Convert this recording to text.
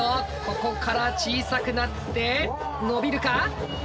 ここから小さくなって伸びるか？